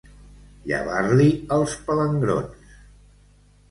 Llevar-li els palangrons.